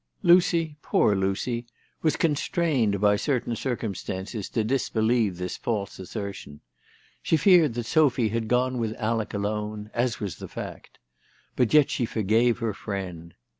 Lucy, poor Lucy, was con strained by certain circumstances to disbelieve this false assertion. She feared that Sophy had gone with Alec alone, as was the fact. But yet she forgave her friend.